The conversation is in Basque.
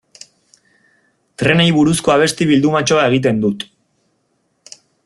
Trenei buruzko abesti bildumatxoa egiten dut.